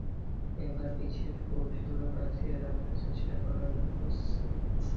এবার বিশেষ কৌশলে বাঁচিয়ে রাখার চেষ্টা করা হচ্ছে।